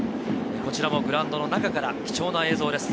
こちらもグラウンドの中からの貴重な映像です。